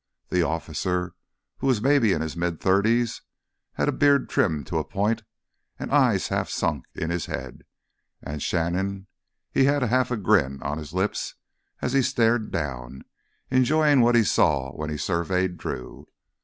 The officer, who was maybe in his mid thirties, had a beard trimmed to a point and eyes half sunk in his head. And Shannon—he had a half grin on his lips as he stared down, enjoying what he saw when he surveyed Drew.